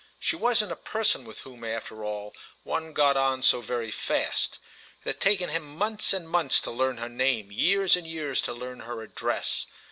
She wasn't a person with whom, after all, one got on so very fast: it had taken him months and months to learn her name, years and years to learn her address.